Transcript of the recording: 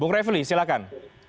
bung rev silahkan